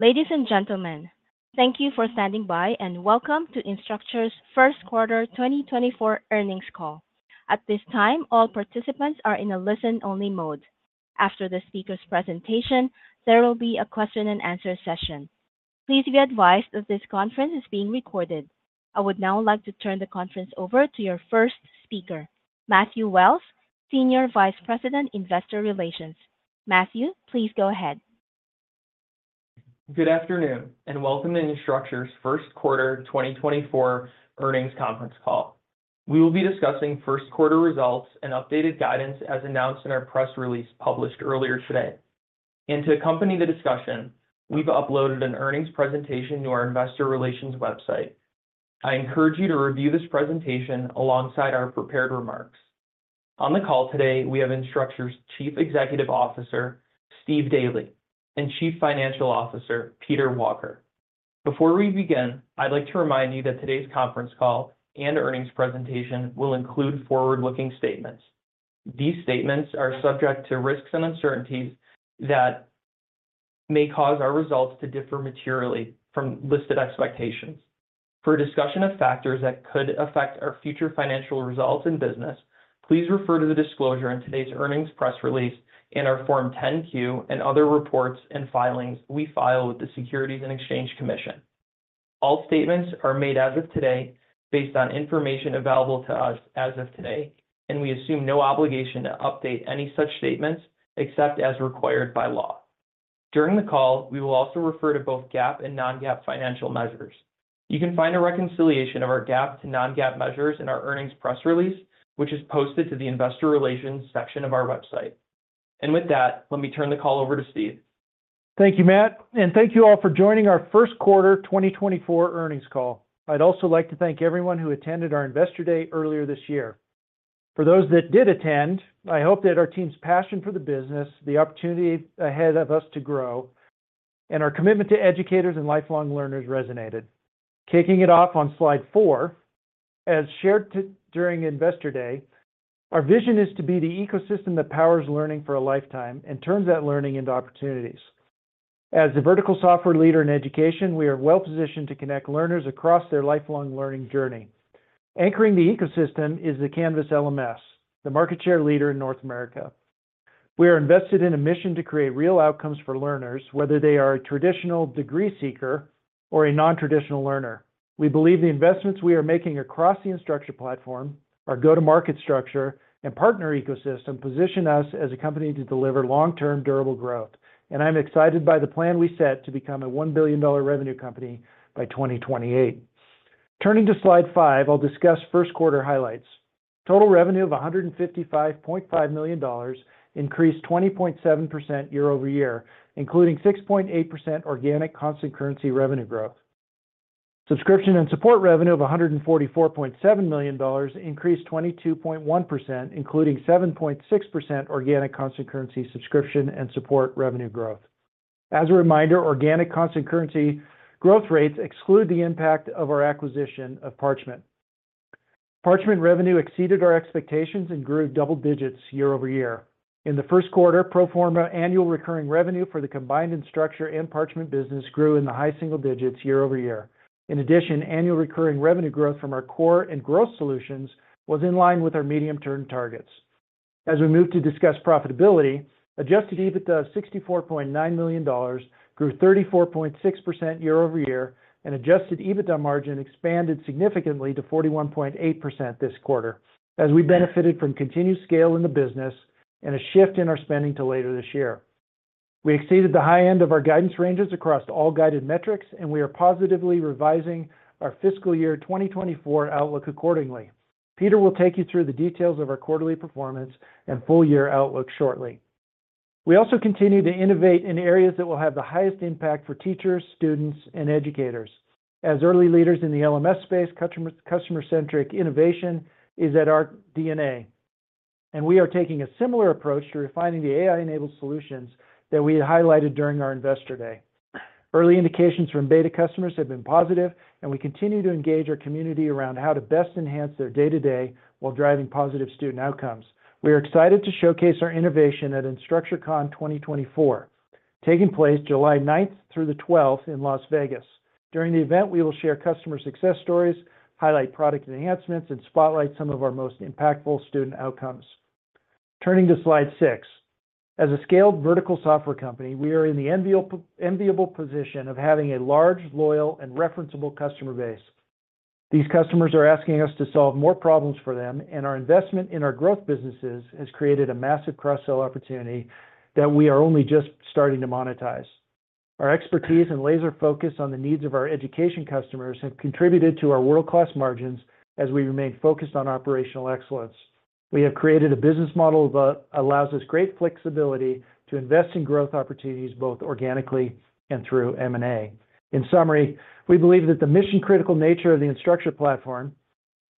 Ladies and gentlemen, thank you for standing by and welcome to Instructure's First Quarter 2024 Earnings Call. At this time, all participants are in a listen-only mode. After the speaker's presentation, there will be a question-and-answer session. Please be advised that this conference is being recorded. I would now like to turn the conference over to your first speaker, Matthew Wells, Senior Vice President, Investor Relations. Matthew, please go ahead. Good afternoon and welcome to Instructure's First Quarter 2024 Earnings Conference Call. We will be discussing first quarter results and updated guidance as announced in our press release published earlier today. To accompany the discussion, we've uploaded an earnings presentation to our Investor Relations website. I encourage you to review this presentation alongside our prepared remarks. On the call today, we have Instructure's Chief Executive Officer, Steve Daly, and Chief Financial Officer, Peter Walker. Before we begin, I'd like to remind you that today's conference call and earnings presentation will include forward-looking statements. These statements are subject to risks and uncertainties that may cause our results to differ materially from listed expectations. For discussion of factors that could affect our future financial results in business, please refer to the disclosure in today's earnings press release and our Form 10-Q and other reports and filings we file with the Securities and Exchange Commission. All statements are made as of today based on information available to us as of today, and we assume no obligation to update any such statements except as required by law. During the call, we will also refer to both GAAP and non-GAAP financial measures. You can find a reconciliation of our GAAP to non-GAAP measures in our earnings press release, which is posted to the Investor Relations section of our website. With that, let me turn the call over to Steve. Thank you, Matt, and thank you all for joining our First Quarter 2024 Earnings Call. I'd also like to thank everyone who attended our Investor Day earlier this year. For those that did attend, I hope that our team's passion for the business, the opportunity ahead of us to grow, and our commitment to educators and lifelong learners resonated. Kicking it off on slide four, as shared during Investor Day, our vision is to be the ecosystem that powers learning for a lifetime and turns that learning into opportunities. As a vertical software leader in education, we are well-positioned to connect learners across their lifelong learning journey. Anchoring the ecosystem is the Canvas LMS, the market share leader in North America. We are invested in a mission to create real outcomes for learners, whether they are a traditional degree seeker or a non-traditional learner. We believe the investments we are making across the Instructure platform, our go-to-market structure, and partner ecosystem position us as a company to deliver long-term, durable growth. I'm excited by the plan we set to become a $1 billion revenue company by 2028. Turning to slide five, I'll discuss first quarter highlights. Total revenue of $155.5 million increased 20.7% year-over-year, including 6.8% organic constant currency revenue growth. Subscription and support revenue of $144.7 million increased 22.1%, including 7.6% organic constant currency subscription and support revenue growth. As a reminder, organic constant currency growth rates exclude the impact of our acquisition of Parchment. Parchment revenue exceeded our expectations and grew double-digits year-over-year. In the first quarter, pro forma annual recurring revenue for the combined Instructure and Parchment business grew in the high single-digits year-over-year. In addition, annual recurring revenue growth from our core and growth solutions was in line with our medium-term targets. As we move to discuss profitability, adjusted EBITDA of $64.9 million grew 34.6% year-over-year, and adjusted EBITDA margin expanded significantly to 41.8% this quarter, as we benefited from continued scale in the business and a shift in our spending to later this year. We exceeded the high end of our guidance ranges across all guided metrics, and we are positively revising our fiscal year 2024 outlook accordingly. Peter will take you through the details of our quarterly performance and full-year outlook shortly. We also continue to innovate in areas that will have the highest impact for teachers, students, and educators. As early leaders in the LMS space, customer-centric innovation is at our DNA, and we are taking a similar approach to refining the AI-enabled solutions that we highlighted during our Investor Day. Early indications from beta customers have been positive, and we continue to engage our community around how to best enhance their day-to-day while driving positive student outcomes. We are excited to showcase our innovation at InstructureCon 2024, taking place July 9th through the 12th in Las Vegas. During the event, we will share customer success stories, highlight product enhancements, and spotlight some of our most impactful student outcomes. Turning to slide six. As a scaled vertical software company, we are in the enviable position of having a large, loyal, and referenceable customer base. These customers are asking us to solve more problems for them, and our investment in our growth businesses has created a massive cross-sell opportunity that we are only just starting to monetize. Our expertise and laser focus on the needs of our education customers have contributed to our world-class margins as we remain focused on operational excellence. We have created a business model that allows us great flexibility to invest in growth opportunities both organically and through M&A. In summary, we believe that the mission-critical nature of the Instructure platform,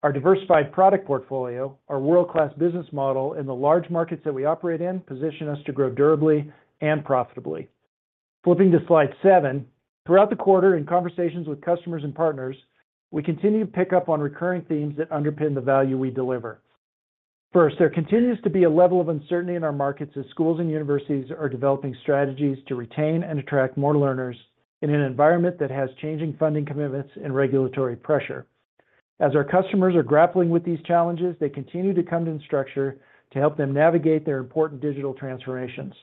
our diversified product portfolio, our world-class business model, and the large markets that we operate in position us to grow durably and profitably. Flipping to slide seven. Throughout the quarter, in conversations with customers and partners, we continue to pick up on recurring themes that underpin the value we deliver. First, there continues to be a level of uncertainty in our markets as schools and universities are developing strategies to retain and attract more learners in an environment that has changing funding commitments and regulatory pressure. As our customers are grappling with these challenges, they continue to come to Instructure to help them navigate their important digital transformations.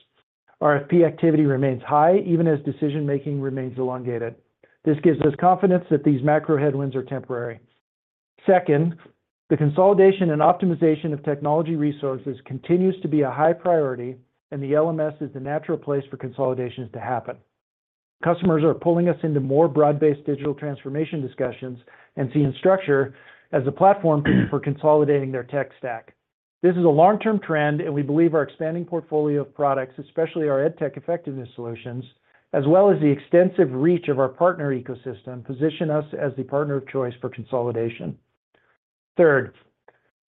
RFP activity remains high even as decision-making remains elongated. This gives us confidence that these macro headwinds are temporary. Second, the consolidation and optimization of technology resources continues to be a high priority, and the LMS is the natural place for consolidations to happen. Customers are pulling us into more broad-based digital transformation discussions and see Instructure as a platform for consolidating their tech stack. This is a long-term trend, and we believe our expanding portfolio of products, especially our EdTech effectiveness solutions, as well as the extensive reach of our partner ecosystem, position us as the partner of choice for consolidation. Third,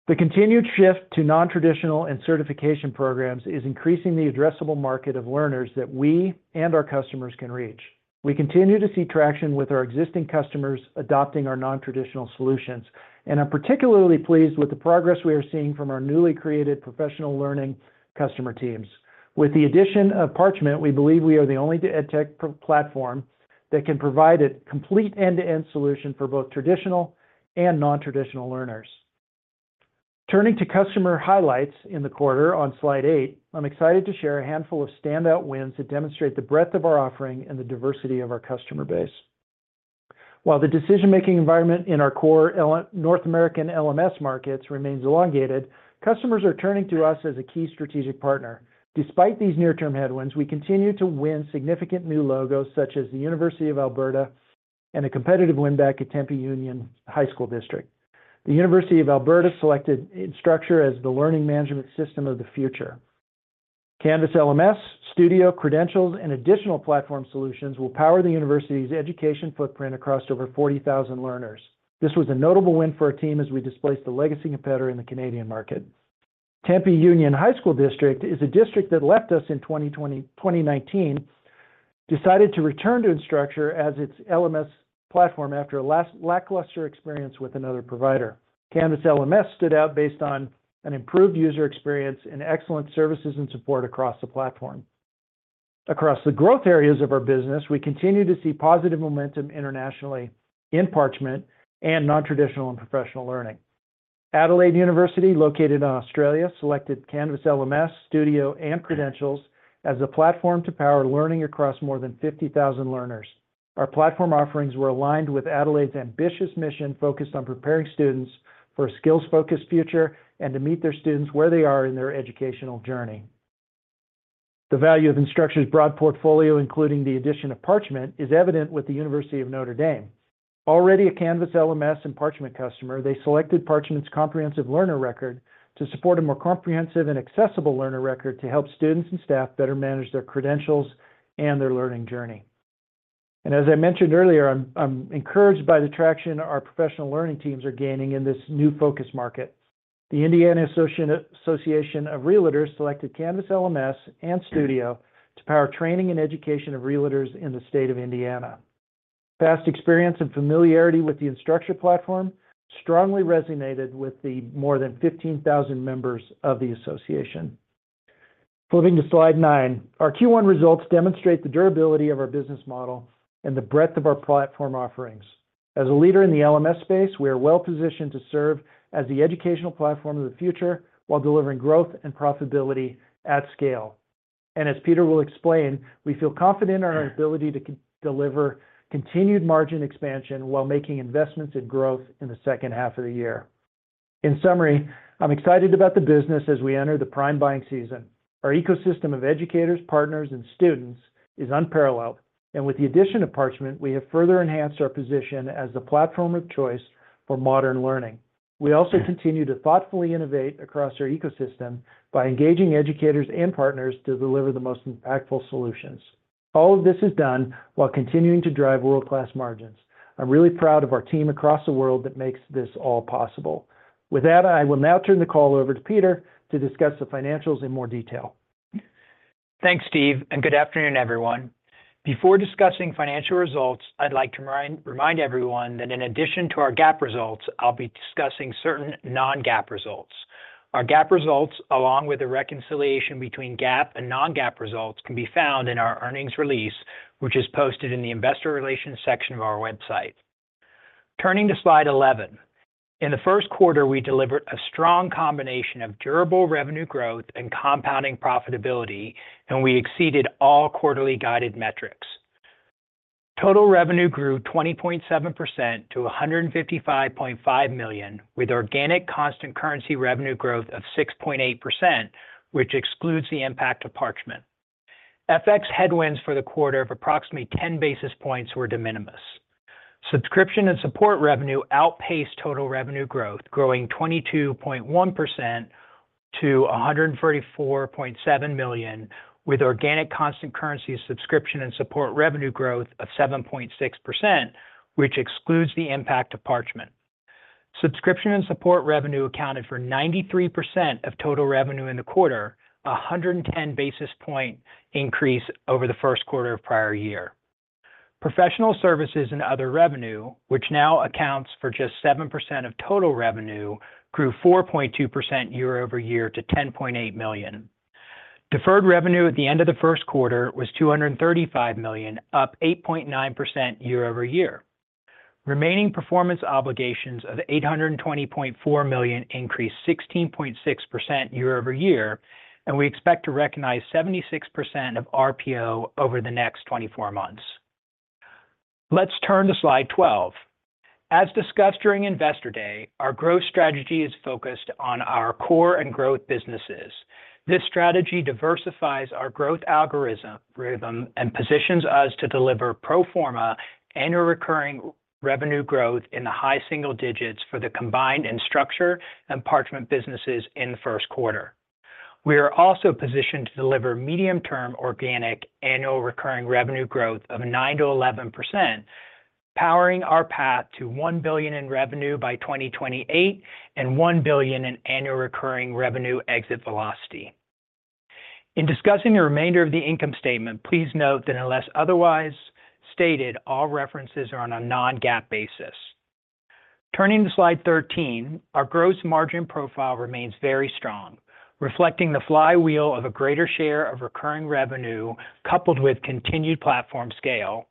the continued shift to non-traditional and certification programs is increasing the addressable market of learners that we and our customers can reach. We continue to see traction with our existing customers adopting our non-traditional solutions, and I'm particularly pleased with the progress we are seeing from our newly created professional learning customer teams. With the addition of Parchment, we believe we are the only EdTech platform that can provide a complete end-to-end solution for both traditional and non-traditional learners. Turning to customer highlights in the quarter on slide eight, I'm excited to share a handful of standout wins that demonstrate the breadth of our offering and the diversity of our customer base. While the decision-making environment in our core North American LMS markets remains elongated, customers are turning to us as a key strategic partner. Despite these near-term headwinds, we continue to win significant new logos such as the University of Alberta and a competitive winback at Tempe Union High School District. The University of Alberta selected Instructure as the learning management system of the future. Canvas LMS, Studio, Credentials, and additional platform solutions will power the university's education footprint across over 40,000 learners. This was a notable win for our team as we displaced a legacy competitor in the Canadian market. Tempe Union High School District is a district that left us in 2019, decided to return to Instructure as its LMS platform after a lackluster experience with another provider. Canvas LMS stood out based on an improved user experience and excellent services and support across the platform. Across the growth areas of our business, we continue to see positive momentum internationally in Parchment and non-traditional and professional learning. Adelaide University, located in Australia, selected Canvas LMS, Studio, and Credentials as a platform to power learning across more than 50,000 learners. Our platform offerings were aligned with Adelaide's ambitious mission focused on preparing students for a skills-focused future and to meet their students where they are in their educational journey. The value of Instructure's broad portfolio, including the addition of Parchment, is evident with the University of Notre Dame. Already a Canvas LMS and Parchment customer, they selected Parchment's Comprehensive Learner Record to support a more comprehensive and accessible learner record to help students and staff better manage their credentials and their learning journey. And as I mentioned earlier, I'm encouraged by the traction our professional learning teams are gaining in this new focus market. The Indiana Association of REALTORS selected Canvas LMS and Studio to power training and education of realtors in the state of Indiana. Past experience and familiarity with the Instructure platform strongly resonated with the more than 15,000 members of the association. Flipping to slide nine. Our Q1 results demonstrate the durability of our business model and the breadth of our platform offerings. As a leader in the LMS space, we are well-positioned to serve as the educational platform of the future while delivering growth and profitability at scale. As Peter will explain, we feel confident in our ability to deliver continued margin expansion while making investments in growth in the second half of the year. In summary, I'm excited about the business as we enter the prime buying season. Our ecosystem of educators, partners, and students is unparalleled, and with the addition of Parchment, we have further enhanced our position as the platform of choice for modern learning. We also continue to thoughtfully innovate across our ecosystem by engaging educators and partners to deliver the most impactful solutions. All of this is done while continuing to drive world-class margins. I'm really proud of our team across the world that makes this all possible. With that, I will now turn the call over to Peter to discuss the financials in more detail. Thanks, Steve, and good afternoon, everyone. Before discussing financial results, I'd like to remind everyone that in addition to our GAAP results, I'll be discussing certain non-GAAP results. Our GAAP results, along with the reconciliation between GAAP and non-GAAP results, can be found in our earnings release, which is posted in the Investor Relations section of our website. Turning to slide 11. In the first quarter, we delivered a strong combination of durable revenue growth and compounding profitability, and we exceeded all quarterly guided metrics. Total revenue grew 20.7% to $155.5 million, with organic constant currency revenue growth of 6.8%, which excludes the impact of Parchment. FX headwinds for the quarter of approximately 10 basis points were de minimis. Subscription and support revenue outpaced total revenue growth, growing 22.1% to $134.7 million, with organic constant currency subscription and support revenue growth of 7.6%, which excludes the impact of Parchment. Subscription and support revenue accounted for 93% of total revenue in the quarter, a 110 basis point increase over the first quarter of prior year. Professional services and other revenue, which now accounts for just seven percent of total revenue, grew 4.2% year-over-year to $10.8 million. Deferred revenue at the end of the first quarter was $235 million, up 8.9% year-over-year. Remaining performance obligations of $820.4 million increased 16.6% year-over-year, and we expect to recognize 76% of RPO over the next 24 months. Let's turn to slide 12. As discussed during Investor Day, our growth strategy is focused on our core and growth businesses. This strategy diversifies our growth algorithm and positions us to deliver pro forma annual recurring revenue growth in the high single-digits for the combined Instructure and Parchment businesses in the first quarter. We are also positioned to deliver medium-term organic annual recurring revenue growth of nine to 11%, powering our path to $1 billion in revenue by 2028 and $1 billion in annual recurring revenue exit velocity. In discussing the remainder of the income statement, please note that unless otherwise stated, all references are on a non-GAAP basis. Turning to slide 13. Our gross margin profile remains very strong, reflecting the flywheel of a greater share of recurring revenue coupled with continued platform scale,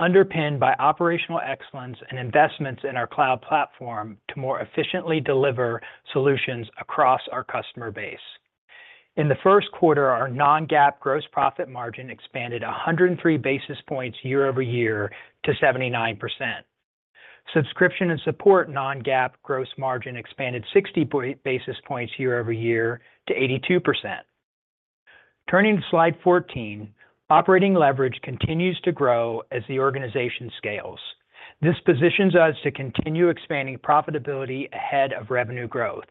underpinned by operational excellence and investments in our cloud platform to more efficiently deliver solutions across our customer base. In the first quarter, our non-GAAP gross profit margin expanded 103 basis points year-over-year to 79%. Subscription and support non-GAAP gross margin expanded 60 basis points year-over-year to 82%. Turning to slide 14. Operating leverage continues to grow as the organization scales. This positions us to continue expanding profitability ahead of revenue growth.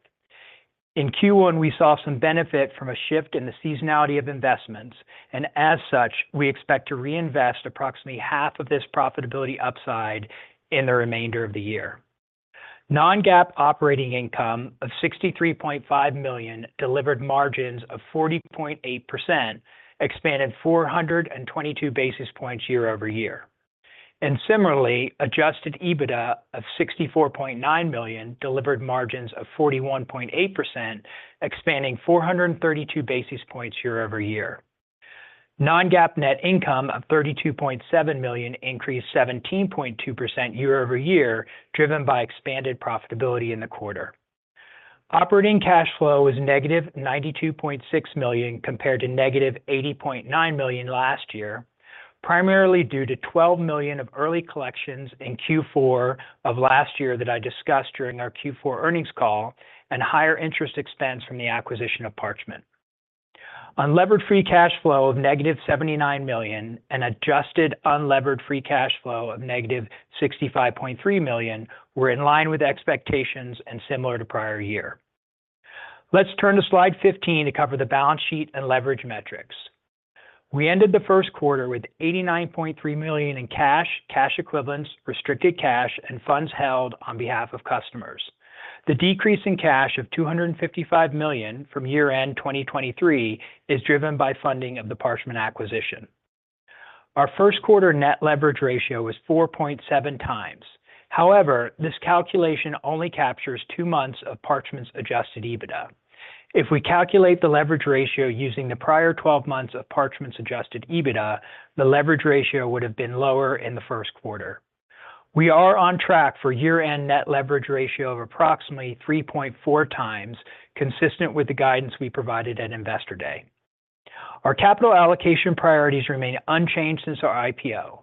In Q1, we saw some benefit from a shift in the seasonality of investments, and as such, we expect to reinvest approximately half of this profitability upside in the remainder of the year. Non-GAAP operating income of $63.5 million delivered margins of 40.8%, expanded 422 basis points year-over-year. Similarly, Adjusted EBITDA of $64.9 million delivered margins of 41.8%, expanding 432 basis points year-over-year. Non-GAAP net income of $32.7 million increased 17.2% year-over-year, driven by expanded profitability in the quarter. Operating cash flow was -$92.6 million compared to -$80.9 million last year, primarily due to $12 million of early collections in Q4 of last year that I discussed during our Q4 earnings call and higher interest expense from the acquisition of Parchment. Unlevered free cash flow of -$79 million and adjusted unlevered free cash flow of -$65.3 million were in line with expectations and similar to prior year. Let's turn to slide 15 to cover the balance sheet and leverage metrics. We ended the first quarter with $89.3 million in cash, cash equivalents, restricted cash, and funds held on behalf of customers. The decrease in cash of $255 million from year-end 2023 is driven by funding of the Parchment acquisition. Our first quarter net leverage ratio was 4.7x. However, this calculation only captures two months of Parchment's Adjusted EBITDA. If we calculate the leverage ratio using the prior 12 months of Parchment's Adjusted EBITDA, the leverage ratio would have been lower in the first quarter. We are on track for year-end net leverage ratio of approximately 3.4x, consistent with the guidance we provided at Investor Day. Our capital allocation priorities remain unchanged since our IPO,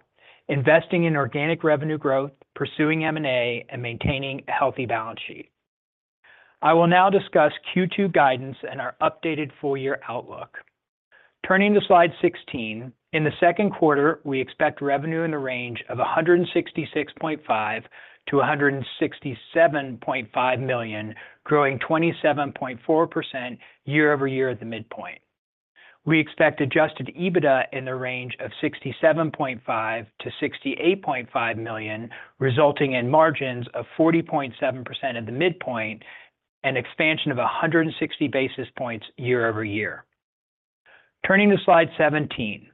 investing in organic revenue growth, pursuing M&A, and maintaining a healthy balance sheet. I will now discuss Q2 guidance and our updated full-year outlook. Turning to slide 16. In the second quarter, we expect revenue in the range of $166.5 million-$167.5 million, growing 27.4% year-over-year at the midpoint. We expect adjusted EBITDA in the range of $67.5 million-$68.5 million, resulting in margins of 40.7% at the midpoint and expansion of 160 basis points year-over-year. Turning to slide 17.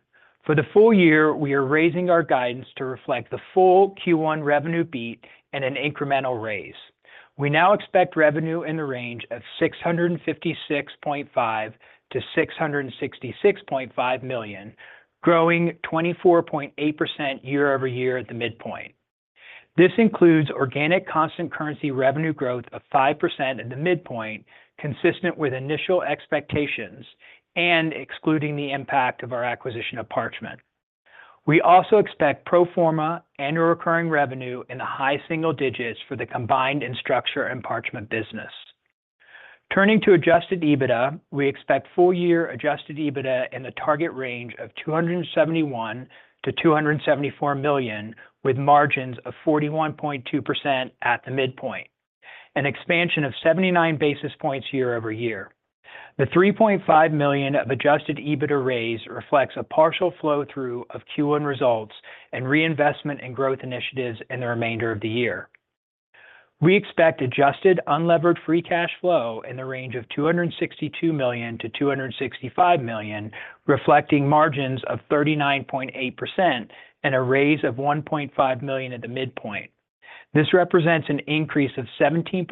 For the full year, we are raising our guidance to reflect the full Q1 revenue beat and an incremental raise. We now expect revenue in the range of $656.5 million-$666.5 million, growing 24.8% year-over-year at the midpoint. This includes organic constant currency revenue growth of five percent at the midpoint, consistent with initial expectations and excluding the impact of our acquisition of Parchment. We also expect pro forma annual recurring revenue in the high single-digits for the combined Instructure and Parchment business. Turning to adjusted EBITDA, we expect full-year adjusted EBITDA in the target range of $271 million-$274 million, with margins of 41.2% at the midpoint, an expansion of 79 basis points year-over-year. The $3.5 million of adjusted EBITDA raise reflects a partial flow-through of Q1 results and reinvestment in growth initiatives in the remainder of the year. We expect adjusted unlevered free cash flow in the range of $262 million-$265 million, reflecting margins of 39.8% and a raise of $1.5 million at the midpoint. This represents an increase of 17%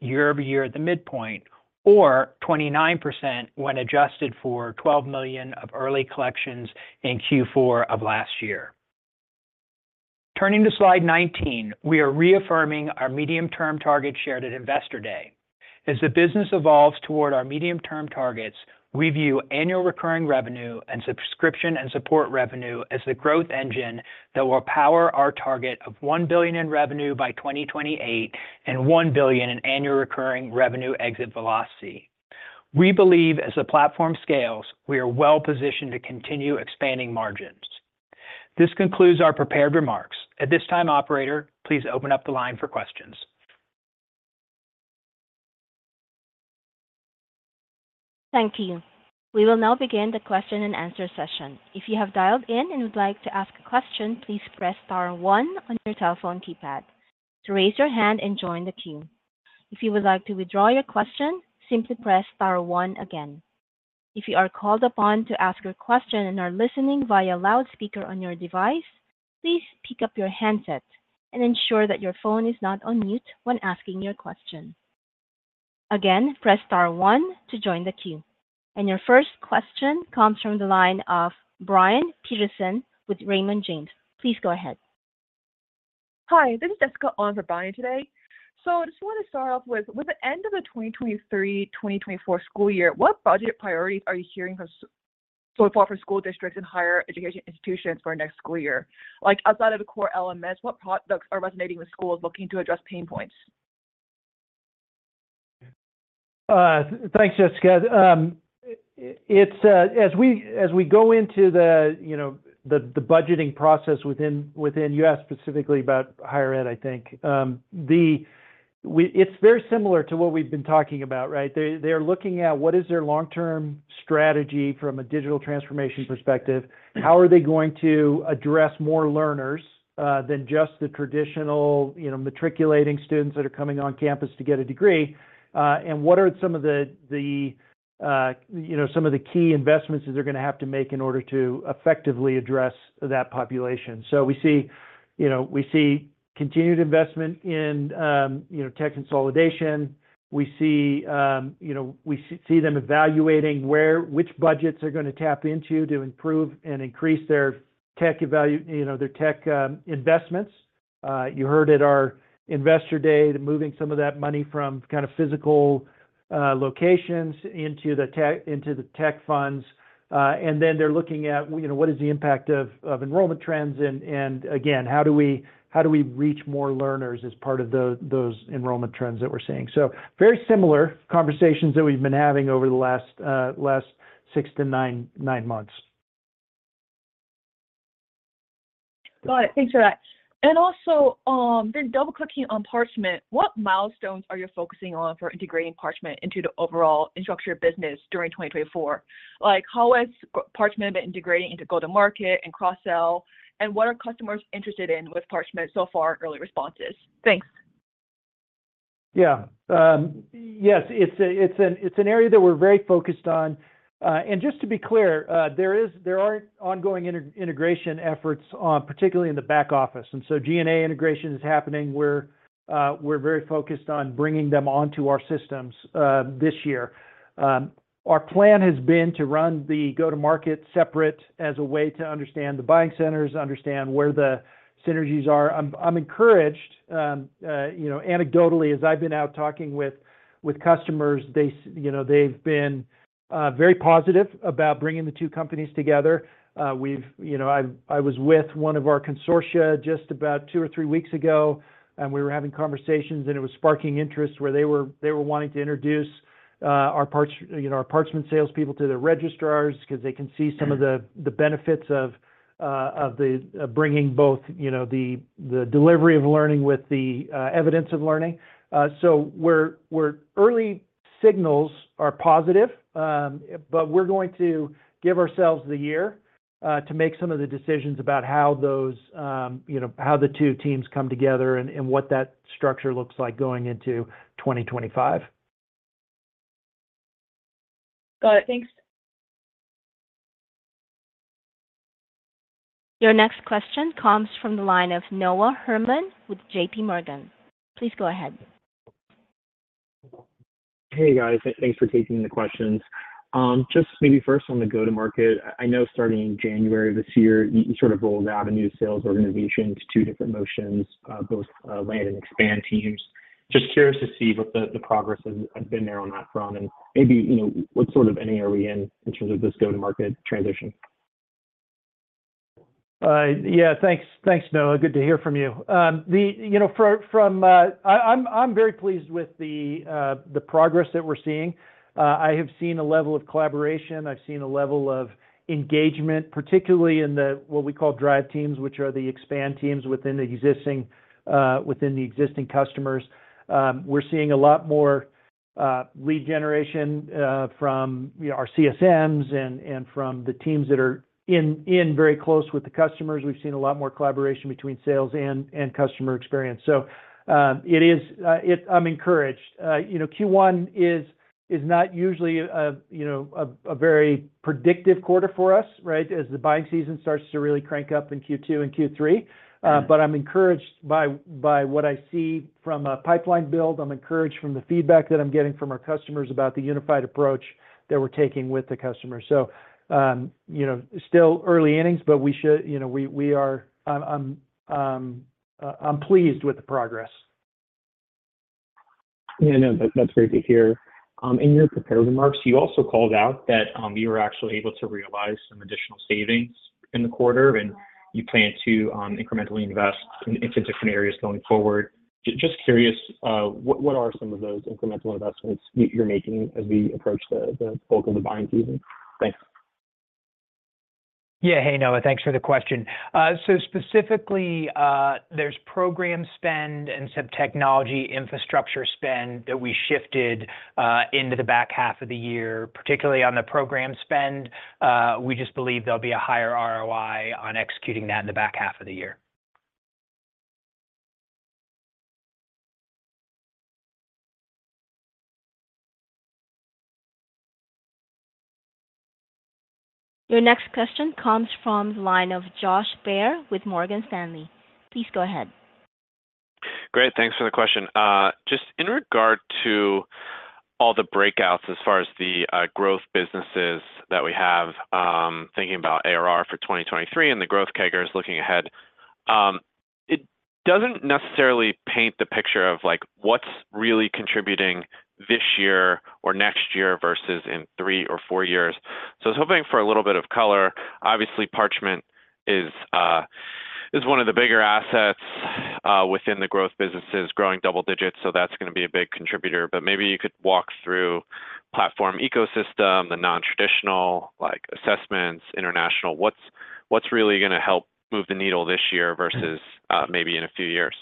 year-over-year at the midpoint, or 29% when adjusted for $12 million of early collections in Q4 of last year. Turning to slide 19. We are reaffirming our medium-term target shared at Investor Day. As the business evolves toward our medium-term targets, we view annual recurring revenue and subscription and support revenue as the growth engine that will power our target of $1 billion in revenue by 2028 and $1 billion in annual recurring revenue exit velocity. We believe, as the platform scales, we are well-positioned to continue expanding margins. This concludes our prepared remarks. At this time, operator, please open up the line for questions. Thank you. We will now begin the question-and-answer session. If you have dialed in and would like to ask a question, please press star one on your telephone keypad to raise your hand and join the queue. If you would like to withdraw your question, simply press star one again. If you are called upon to ask your question and are listening via loudspeaker on your device, please pick up your handset and ensure that your phone is not on mute when asking your question. Again, press star one to join the queue. Your first question comes from the line of Brian Peterson with Raymond James. Please go ahead. Hi, this is Jessica on for Brian today. I just want to start off with the end of the 2023-2024 school year, what budget priorities are you hearing from so far from school districts and higher education institutions for next school year? Like, outside of the core LMS, what products are resonating with schools looking to address pain points? Thanks, Jessica. As we go into the budgeting process within U.S., specifically about higher ed, I think, it's very similar to what we've been talking about, right? They're looking at what is their long-term strategy from a digital transformation perspective? How are they going to address more learners than just the traditional matriculating students that are coming on campus to get a degree? And what are some of the key investments that they're going to have to make in order to effectively address that population? So we see continued investment in tech consolidation. We see them evaluating which budgets they're going to tap into to improve and increase their tech investments. You heard at our Investor Day moving some of that money from kind of physical locations into the tech funds. And then they're looking at what is the impact of enrollment trends? Again, how do we reach more learners as part of those enrollment trends that we're seeing? Very similar conversations that we've been having over the last six to nine months. Got it. Thanks for that. Also, then double-clicking on Parchment, what milestones are you focusing on for integrating Parchment into the overall Instructure business during 2024? Like, how has Parchment been integrating into go-to-market and cross-sell? What are customers interested in with Parchment so far, early responses? Thanks. Yeah. Yes, it's an area that we're very focused on. And just to be clear, there are ongoing integration efforts, particularly in the back office. And so G&A integration is happening. We're very focused on bringing them onto our systems this year. Our plan has been to run the go-to-market separate as a way to understand the buying centers, understand where the synergies are. I'm encouraged, anecdotally, as I've been out talking with customers, they've been very positive about bringing the two companies together. I was with one of our consortia just about two or three weeks ago, and we were having conversations, and it was sparking interest where they were wanting to introduce our Parchment salespeople to their registrars because they can see some of the benefits of bringing both the delivery of learning with the evidence of learning. Early signals are positive, but we're going to give ourselves the year to make some of the decisions about how the two teams come together and what that structure looks like going into 2025. Got it. Thanks. Your next question comes from the line of Noah Herman with JPMorgan. Please go ahead. Hey, guys. Thanks for taking the questions. Just maybe first on the go-to-market, I know starting January of this year, you sort of rolled out a new sales organization to two different motions, both land and expand teams. Just curious to see what the progress has been there on that front and maybe what sort of ending are we in in terms of this go-to-market transition? Yeah, thanks, Noah. Good to hear from you. I'm very pleased with the progress that we're seeing. I have seen a level of collaboration. I've seen a level of engagement, particularly in what we call drive teams, which are the expand teams within the existing customers. We're seeing a lot more lead generation from our CSMs and from the teams that are very close with the customers. We've seen a lot more collaboration between sales and customer experience. So I'm encouraged. Q1 is not usually a very predictive quarter for us, right, as the buying season starts to really crank up in Q2 and Q3. But I'm encouraged by what I see from a pipeline build. I'm encouraged from the feedback that I'm getting from our customers about the unified approach that we're taking with the customers. So still early innings, but we are. I'm pleased with the progress. Yeah, no, that's great to hear. In your prepared remarks, you also called out that you were actually able to realize some additional savings in the quarter, and you plan to incrementally invest into different areas going forward. Just curious, what are some of those incremental investments you're making as we approach the bulk of the buying season? Thanks. Yeah, hey, Noah. Thanks for the question. So specifically, there's program spend and some technology infrastructure spend that we shifted into the back half of the year, particularly on the program spend. We just believe there'll be a higher ROI on executing that in the back half of the year. Your next question comes from the line of Josh Baer with Morgan Stanley. Please go ahead. Great. Thanks for the question. Just in regard to all the breakouts as far as the growth businesses that we have, thinking about ARR for 2023 and the growth vectors looking ahead, it doesn't necessarily paint the picture of what's really contributing this year or next year versus in three or four years. So I was hoping for a little bit of color. Obviously, Parchment is one of the bigger assets within the growth businesses, growing double-digits. So that's going to be a big contributor. But maybe you could walk through platform ecosystem, the non-traditional assessments, international, what's really going to help move the needle this year versus maybe in a few years.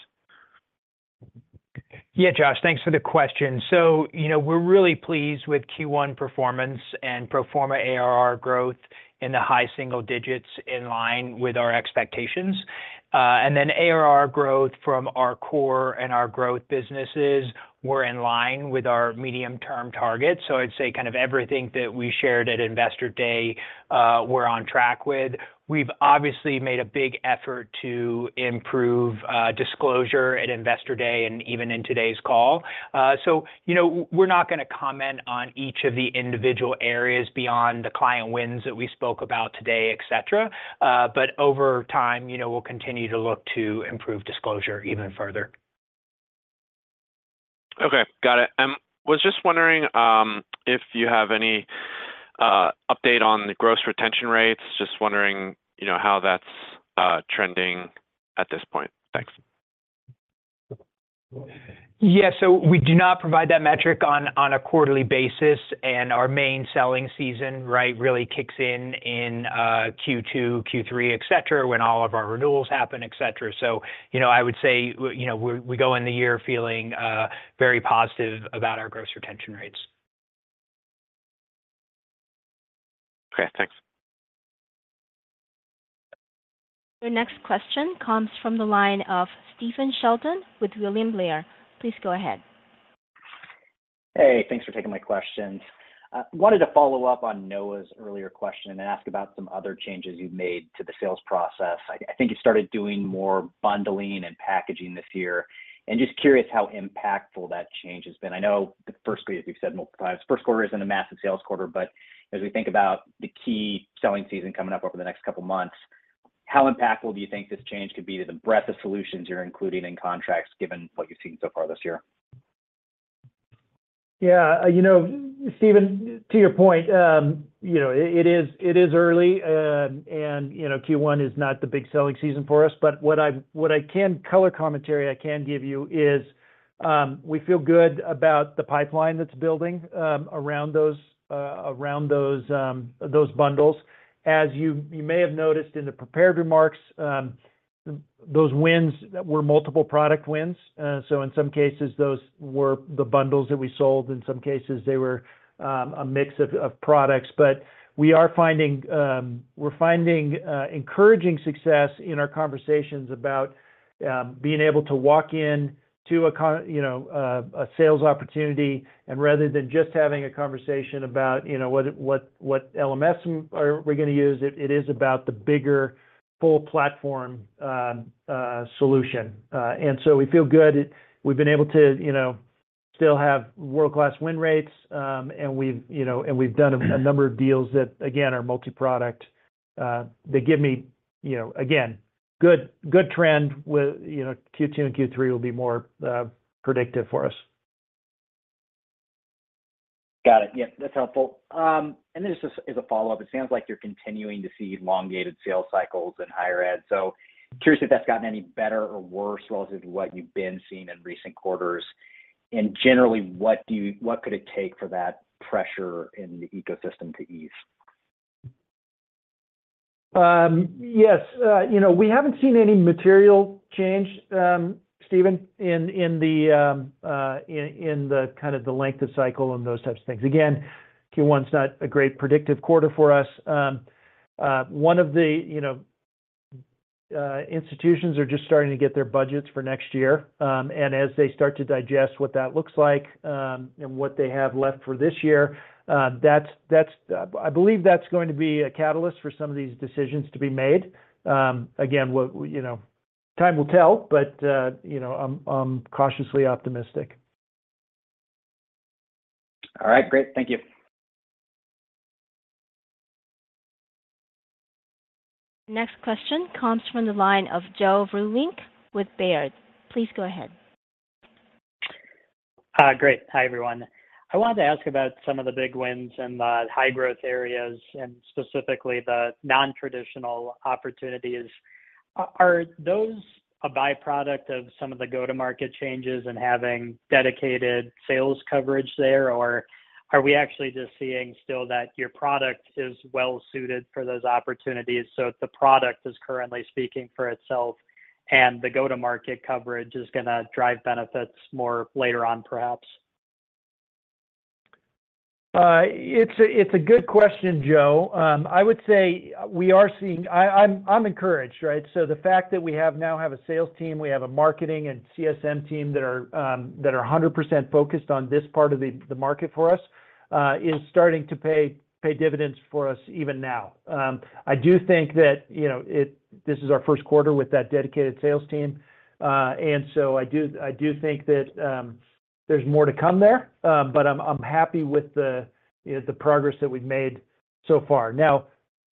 Yeah, Josh, thanks for the question. So we're really pleased with Q1 performance and pro forma ARR growth in the high single-digits in line with our expectations. And then ARR growth from our core and our growth businesses, we're in line with our medium-term targets. So I'd say kind of everything that we shared at Investor Day, we're on track with. We've obviously made a big effort to improve disclosure at Investor Day and even in today's call. So we're not going to comment on each of the individual areas beyond the client wins that we spoke about today, etc. But over time, we'll continue to look to improve disclosure even further. Okay, got it. I was just wondering if you have any update on the gross retention rates, just wondering how that's trending at this point. Thanks. Yeah, so we do not provide that metric on a quarterly basis. And our main selling season, right, really kicks in in Q2, Q3, etc., when all of our renewals happen, etc. So I would say we go in the year feeling very positive about our gross retention rates. Okay, thanks. Your next question comes from the line of Stephen Sheldon with William Blair. Please go ahead. Hey, thanks for taking my questions. Wanted to follow up on Noah's earlier question and ask about some other changes you've made to the sales process. I think you started doing more bundling and packaging this year. Just curious how impactful that change has been. I know the first quarter, as we've said multiple times, the first quarter isn't a massive sales quarter. But as we think about the key selling season coming up over the next couple of months, how impactful do you think this change could be to the breadth of solutions you're including in contracts, given what you've seen so far this year? Yeah, Stephen, to your point, it is early. And Q1 is not the big selling season for us. But what color commentary I can give you is we feel good about the pipeline that's building around those bundles. As you may have noticed in the prepared remarks, those wins were multiple product wins. So in some cases, those were the bundles that we sold. In some cases, they were a mix of products. But we are finding encouraging success in our conversations about being able to walk into a sales opportunity. And rather than just having a conversation about what LMS are we going to use, it is about the bigger full platform solution. And so we feel good. We've been able to still have world-class win rates. And we've done a number of deals that, again, are multi-product. They give me, again, good trend. Q2 and Q3 will be more predictive for us. Got it. Yep, that's helpful. And then just as a follow-up, it sounds like you're continuing to see elongated sales cycles in higher ed. So curious if that's gotten any better or worse relative to what you've been seeing in recent quarters. And generally, what could it take for that pressure in the ecosystem to ease? Yes. We haven't seen any material change, Stephen, in the kind of the length of cycle and those types of things. Again, Q1's not a great predictive quarter for us. One of the institutions are just starting to get their budgets for next year. And as they start to digest what that looks like and what they have left for this year, I believe that's going to be a catalyst for some of these decisions to be made. Again, time will tell, but I'm cautiously optimistic. All right. Great. Thank you. Next question comes from the line of Joe Vruwink with Baird. Please go ahead. Great. Hi, everyone. I wanted to ask about some of the big wins and the high-growth areas, and specifically the non-traditional opportunities. Are those a byproduct of some of the go-to-market changes and having dedicated sales coverage there? Or are we actually just seeing still that your product is well-suited for those opportunities so the product is currently speaking for itself and the go-to-market coverage is going to drive benefits more later on, perhaps? It's a good question, Joe. I would say we are seeing. I'm encouraged, right? So the fact that we now have a sales team, we have a marketing and CSM team that are 100% focused on this part of the market for us is starting to pay dividends for us even now. I do think that this is our first quarter with that dedicated sales team. And so I do think that there's more to come there. But I'm happy with the progress that we've made so far. Now,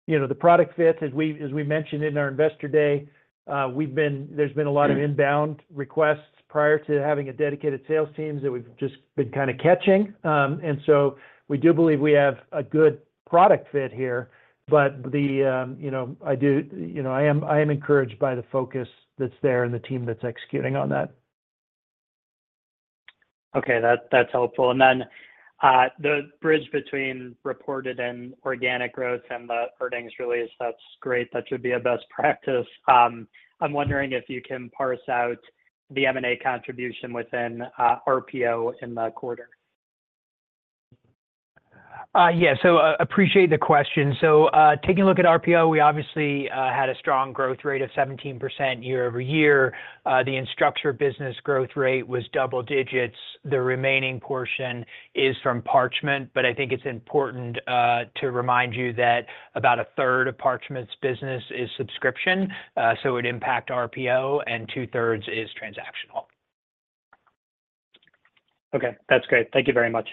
the product fit, as we mentioned in our Investor Day, there's been a lot of inbound requests prior to having a dedicated sales team that we've just been kind of catching. And so we do believe we have a good product fit here. But I am encouraged by the focus that's there and the team that's executing on that. Okay, that's helpful. And then the bridge between reported and organic growth and the earnings release, that's great. That should be a best practice. I'm wondering if you can parse out the M&A contribution within RPO in the quarter. Yeah, so appreciate the question. So taking a look at RPO, we obviously had a strong growth rate of 17% year-over-year. The Instructure business growth rate was double digits. The remaining portion is from Parchment. But I think it's important to remind you that about a third of Parchment's business is subscription. So it would impact RPO, and 2/3 is transactional. Okay, that's great. Thank you very much.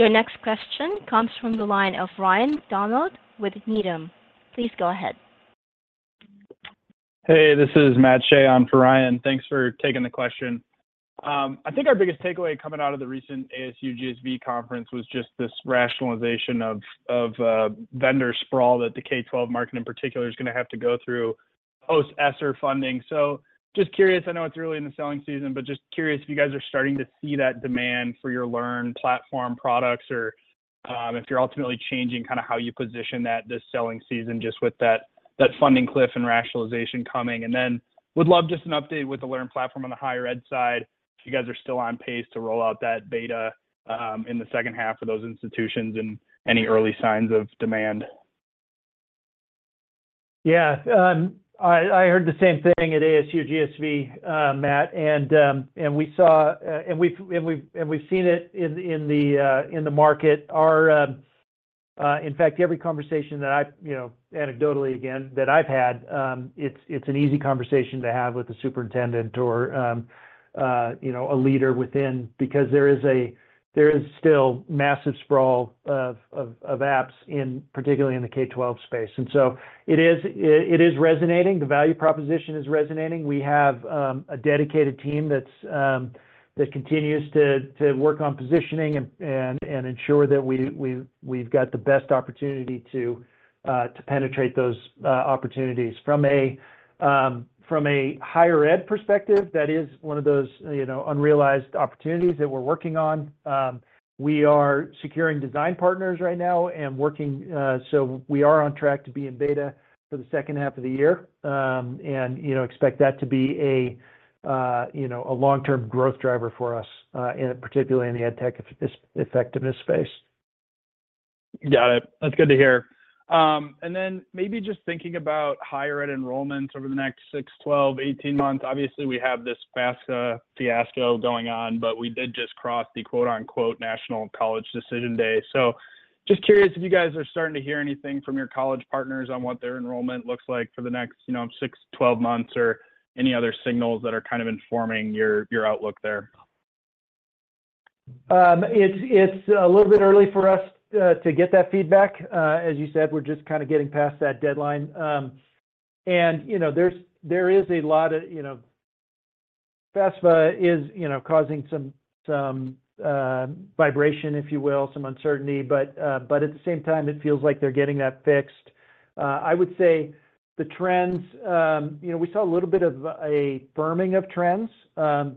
Your next question comes from the line of Ryan MacDonald with Needham. Please go ahead. Hey, this is Matt Shea on for Ryan. Thanks for taking the question. I think our biggest takeaway coming out of the recent ASU+GSV conference was just this rationalization of vendor sprawl that the K-12 market in particular is going to have to go through Post-ESSER funding. So just curious, I know it's really in the selling season, but just curious if you guys are starting to see that demand for your LearnPlatform products or if you're ultimately changing kind of how you position that this selling season just with that funding cliff and rationalization coming. And then would love just an update with the LearnPlatform on the higher ed side, if you guys are still on pace to roll out that beta in the second half for those institutions and any early signs of demand. Yeah, I heard the same thing at ASU+GSV, Matt. And we saw and we've seen it in the market. In fact, every conversation that I anecdotally, again, that I've had, it's an easy conversation to have with the superintendent or a leader within because there is still massive sprawl of apps, particularly in the K-12 space. And so it is resonating. The value proposition is resonating. We have a dedicated team that continues to work on positioning and ensure that we've got the best opportunity to penetrate those opportunities. From a higher ed perspective, that is one of those unrealized opportunities that we're working on. We are securing design partners right now and working so we are on track to be in beta for the second half of the year and expect that to be a long-term growth driver for us, particularly in the EdTech effectiveness space. Got it. That's good to hear. Then maybe just thinking about higher ed enrollments over the next six, 12, 18 months, obviously, we have this FAFSA fiasco going on, but we did just cross the "National College Decision Day." So just curious if you guys are starting to hear anything from your college partners on what their enrollment looks like for the next six, 12 months or any other signals that are kind of informing your outlook there. It's a little bit early for us to get that feedback. As you said, we're just kind of getting past that deadline. And there is a lot of FAFSA is causing some vibration, if you will, some uncertainty. But at the same time, it feels like they're getting that fixed. I would say the trends we saw a little bit of a firming of trends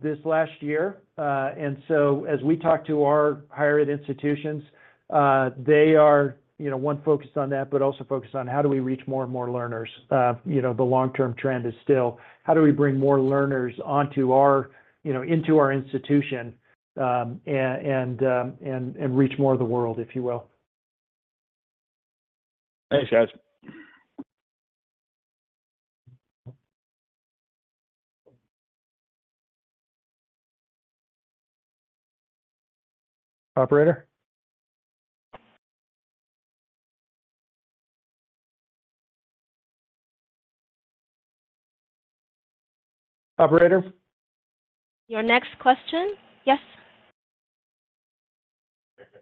this last year. And so as we talk to our higher ed institutions, they are one, focused on that, but also focused on how do we reach more and more learners? The long-term trend is still, how do we bring more learners into our institution and reach more of the world, if you will? Thanks, guys. Operator? Operator? Your next question? Yes?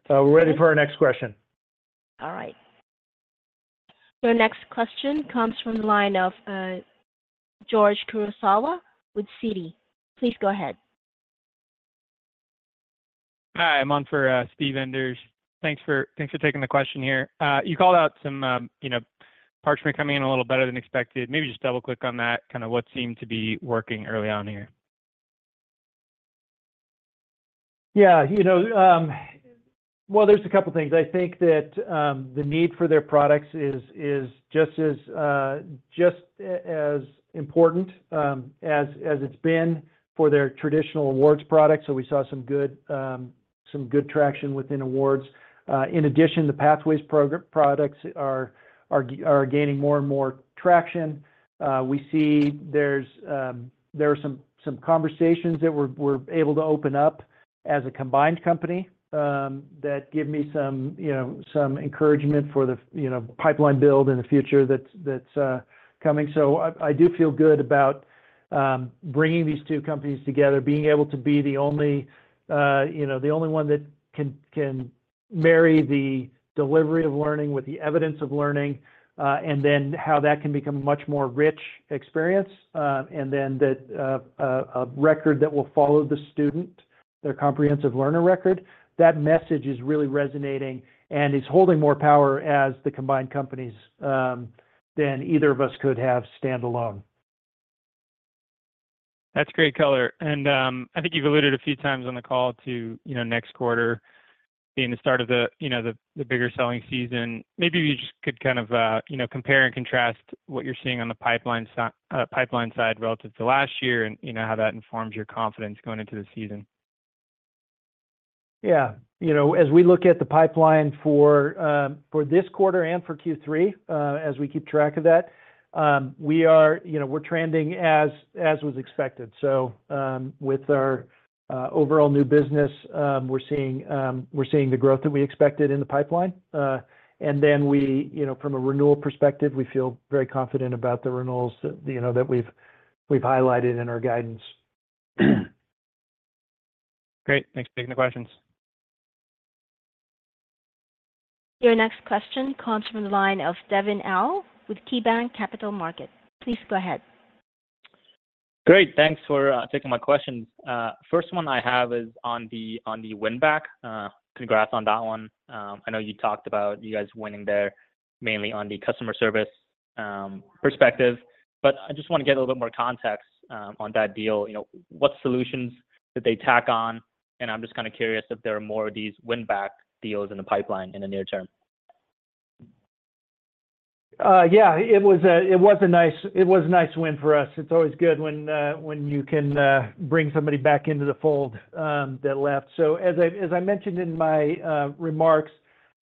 We're ready for our next question. All right. Your next question comes from the line of George Kurosawa with Citi. Please go ahead. Hi, I'm on for Steve Enders. Thanks for taking the question here. You called out some Parchment coming in a little better than expected. Maybe just double-click on that, kind of what seemed to be working early on here. Yeah. Well, there's a couple of things. I think that the need for their products is just as important as it's been for their traditional awards products. So we saw some good traction within awards. In addition, the Pathways products are gaining more and more traction. We see there are some conversations that we're able to open up as a combined company that give me some encouragement for the pipeline build in the future that's coming. So I do feel good about bringing these two companies together, being able to be the only one that can marry the delivery of learning with the evidence of learning, and then how that can become a much more rich experience, and then a record that will follow the student, their Comprehensive Learner Record. That message is really resonating and is holding more power as the combined companies than either of us could have standalone. That's great color. I think you've alluded a few times on the call to next quarter being the start of the bigger selling season. Maybe if you just could kind of compare and contrast what you're seeing on the pipeline side relative to last year and how that informs your confidence going into the season? Yeah. As we look at the pipeline for this quarter and for Q3, as we keep track of that, we're trending as was expected. So with our overall new business, we're seeing the growth that we expected in the pipeline. And then from a renewal perspective, we feel very confident about the renewals that we've highlighted in our guidance. Great. Thanks for taking the questions. Your next question comes from the line of Devin Au with KeyBanc Capital Markets. Please go ahead. Great. Thanks for taking my questions. First one I have is on the winback. Congrats on that one. I know you talked about you guys winning there mainly on the customer service perspective. But I just want to get a little bit more context on that deal. What solutions did they tack on? And I'm just kind of curious if there are more of these winback deals in the pipeline in the near term. Yeah, it was a nice win for us. It's always good when you can bring somebody back into the fold that left. So as I mentioned in my remarks,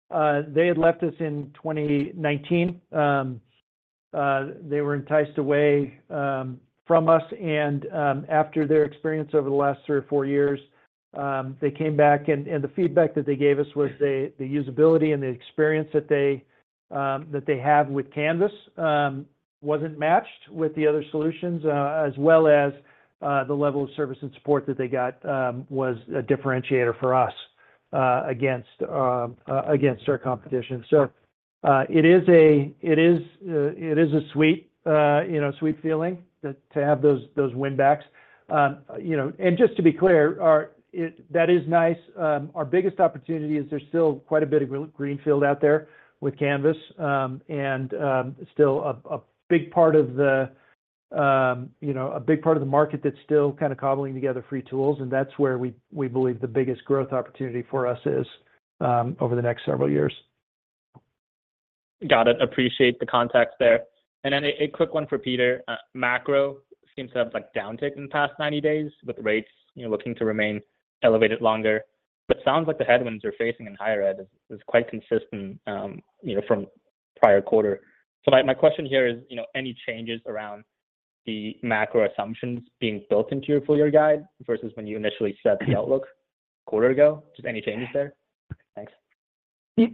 they had left us in 2019. They were enticed away from us. And after their experience over the last three or four years, they came back. And the feedback that they gave us was the usability and the experience that they have with Canvas wasn't matched with the other solutions, as well as the level of service and support that they got was a differentiator for us against our competition. So it is a sweet feeling to have those winbacks. And just to be clear, that is nice. Our biggest opportunity is there's still quite a bit of greenfield out there with Canvas and still a big part of the market that's still kind of cobbling together free tools. That's where we believe the biggest growth opportunity for us is over the next several years. Got it. Appreciate the context there. And then a quick one for Peter. Macro seems to have downticked in the past 90 days with rates looking to remain elevated longer. But it sounds like the headwinds you're facing in higher ed is quite consistent from prior quarter. So my question here is, any changes around the macro assumptions being built into your full-year guide versus when you initially set the outlook a quarter ago? Just any changes there? Thanks.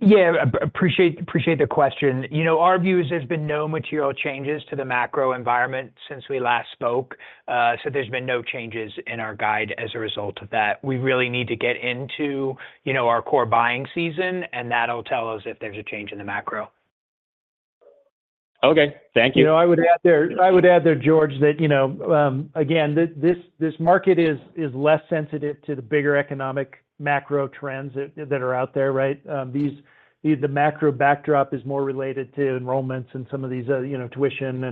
Yeah, appreciate the question. Our view is there's been no material changes to the macro environment since we last spoke. So there's been no changes in our guide as a result of that. We really need to get into our core buying season, and that'll tell us if there's a change in the macro. Okay, thank you. I would add there, George, that again, this market is less sensitive to the bigger economic macro trends that are out there, right? The macro backdrop is more related to enrollments and some of these tuition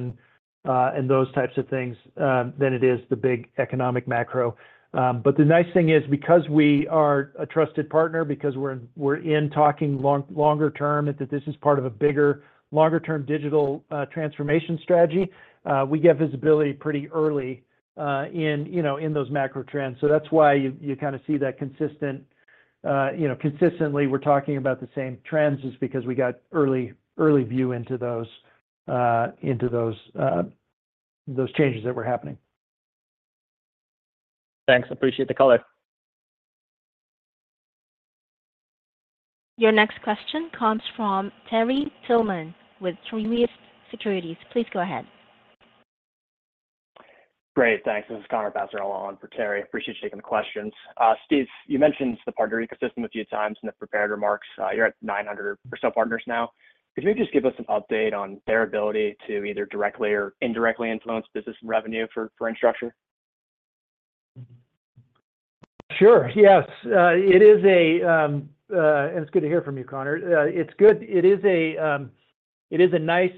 and those types of things than it is the big economic macro. But the nice thing is, because we are a trusted partner, because we're in talking longer-term and that this is part of a bigger, longer-term digital transformation strategy, we get visibility pretty early in those macro trends. So that's why you kind of see that consistently we're talking about the same trends is because we got early view into those changes that were happening. Thanks. Appreciate the color. Your next question comes from Terry Tillman with Truist Securities. Please go ahead. Great. Thanks. This is Connor Passarella on for Terry. Appreciate you taking the questions. Steve, you mentioned the partner ecosystem a few times in the prepared remarks. You're at 900 or so partners now. Could you maybe just give us an update on their ability to either directly or indirectly influence business and revenue for Instructure? Sure. Yes. It is, and it's good to hear from you, Connor. It's good. It is a nice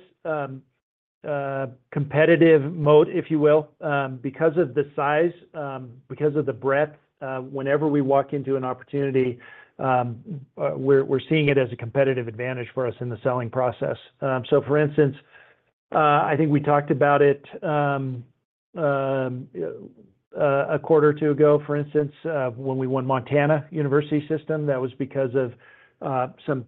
competitive moat, if you will, because of the size, because of the breadth. Whenever we walk into an opportunity, we're seeing it as a competitive advantage for us in the selling process. So for instance, I think we talked about it a quarter or two ago, for instance, when we won Montana University System. That was because of some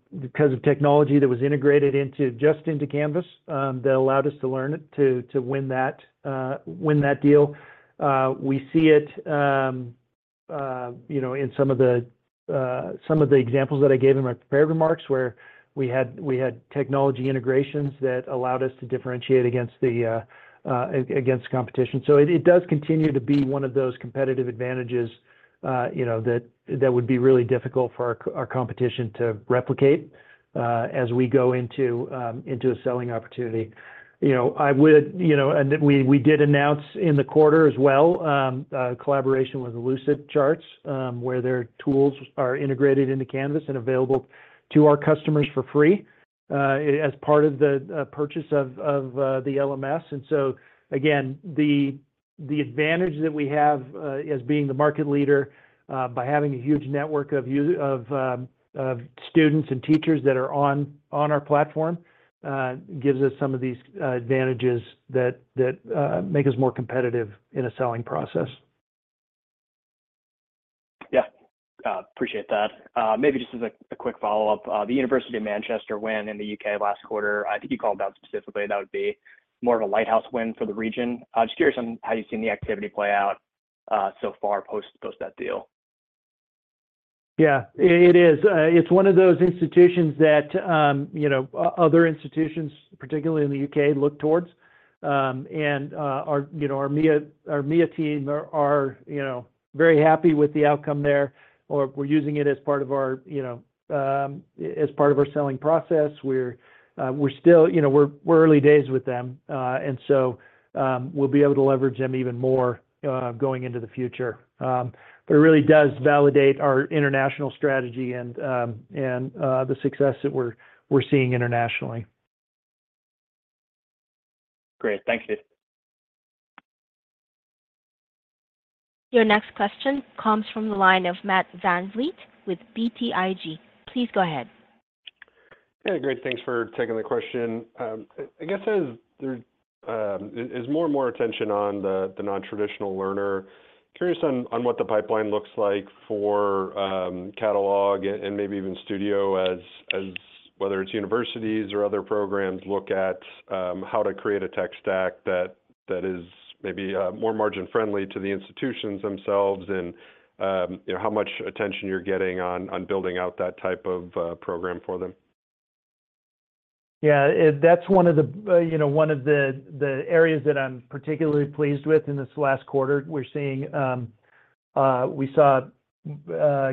technology that was integrated just into Canvas that allowed us to learn it to win that deal. We see it in some of the examples that I gave in my prepared remarks where we had technology integrations that allowed us to differentiate against the competition. So it does continue to be one of those competitive advantages that would be really difficult for our competition to replicate as we go into a selling opportunity. I would and we did announce in the quarter as well a collaboration with Lucidchart where their tools are integrated into Canvas and available to our customers for free as part of the purchase of the LMS. And so again, the advantage that we have as being the market leader by having a huge network of students and teachers that are on our platform gives us some of these advantages that make us more competitive in a selling process. Yeah. Appreciate that. Maybe just as a quick follow-up, the University of Manchester win in the U.K. last quarter, I think you called out specifically, that would be more of a lighthouse win for the region. I'm just curious on how you've seen the activity play out so far post that deal. Yeah, it is. It's one of those institutions that other institutions, particularly in the U.K., look towards. And our EMEA team are very happy with the outcome there. Or we're using it as part of our selling process. We're still early days with them. And so we'll be able to leverage them even more going into the future. But it really does validate our international strategy and the success that we're seeing internationally. Great. Thank you. Your next question comes from the line of Matt VanVliet with BTIG. Please go ahead. Yeah, great. Thanks for taking the question. I guess there's more and more attention on the non-traditional learner. Curious on what the pipeline looks like for Catalog and maybe even Studio as whether it's universities or other programs look at how to create a tech stack that is maybe more margin-friendly to the institutions themselves and how much attention you're getting on building out that type of program for them. Yeah, that's one of the areas that I'm particularly pleased with in this last quarter. We saw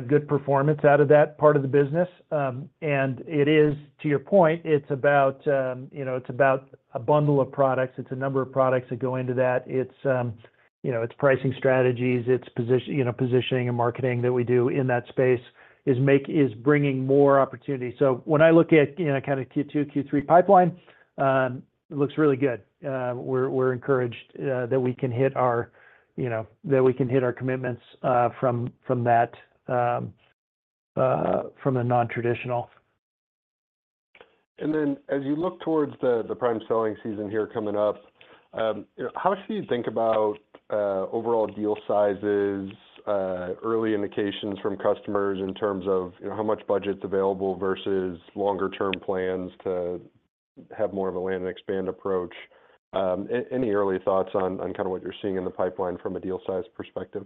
good performance out of that part of the business. And it is, to your point, it's about a bundle of products. It's a number of products that go into that. It's pricing strategies. It's positioning and marketing that we do in that space is bringing more opportunity. So when I look at kind of Q2, Q3 pipeline, it looks really good. We're encouraged that we can hit our commitments from the non-traditional. And then as you look towards the prime selling season here coming up, how should you think about overall deal sizes, early indications from customers in terms of how much budget's available versus longer-term plans to have more of a land-and-expand approach? Any early thoughts on kind of what you're seeing in the pipeline from a deal size perspective?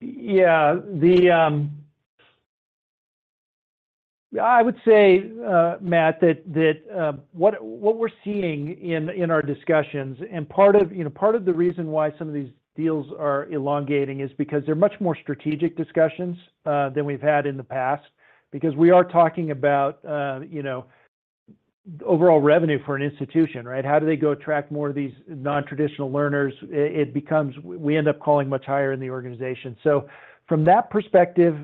Yeah. I would say, Matt, that what we're seeing in our discussions and part of the reason why some of these deals are elongating is because they're much more strategic discussions than we've had in the past because we are talking about overall revenue for an institution, right? How do they go attract more of these non-traditional learners? It becomes, we end up calling much higher in the organization. So from that perspective,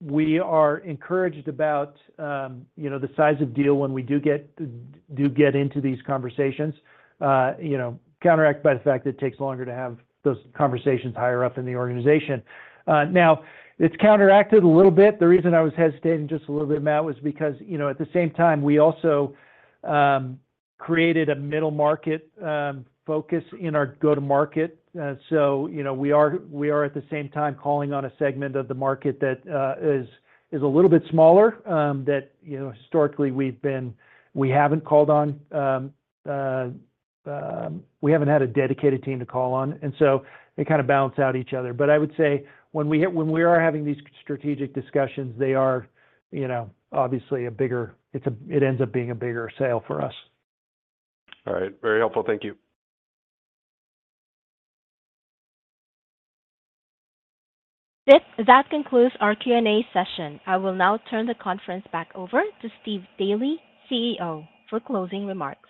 we are encouraged about the size of deal when we do get into these conversations, counteracted by the fact that it takes longer to have those conversations higher up in the organization. Now, it's counteracted a little bit. The reason I was hesitating just a little bit, Matt, was because at the same time, we also created a middle-market focus in our go-to-market. So we are at the same time calling on a segment of the market that is a little bit smaller that historically, we haven't called on. We haven't had a dedicated team to call on. And so it kind of balances out each other. But I would say when we are having these strategic discussions, they are obviously a bigger it ends up being a bigger sale for us. All right. Very helpful. Thank you. This concludes our Q&A session. I will now turn the conference back over to Steve Daly, CEO, for closing remarks.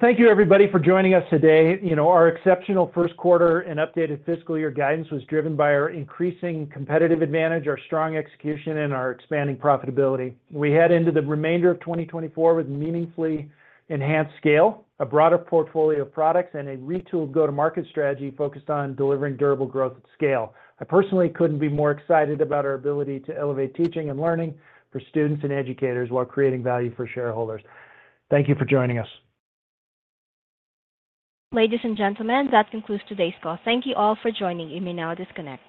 Thank you, everybody, for joining us today. Our exceptional first quarter and updated fiscal year guidance was driven by our increasing competitive advantage, our strong execution, and our expanding profitability. We head into the remainder of 2024 with meaningfully enhanced scale, a broader portfolio of products, and a retooled go-to-market strategy focused on delivering durable growth at scale. I personally couldn't be more excited about our ability to elevate teaching and learning for students and educators while creating value for shareholders. Thank you for joining us. Ladies and gentlemen, that concludes today's call. Thank you all for joining. You may now disconnect.